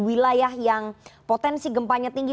wilayah yang potensi gempanya tinggi